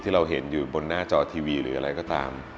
เราเห็นอยู่บนหน้าจอทีวีหรืออะไรก็ตาม